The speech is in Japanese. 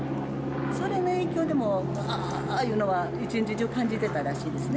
それの影響でもう、がーっていうのは一日中感じてたらしいですね。